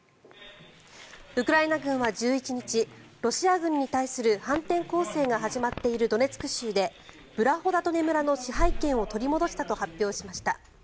ウクライナ軍は１１日ロシア軍に対する反転攻勢が始まっているドネツク州でブラホダトネ村の支配権を取り戻したと発表しました。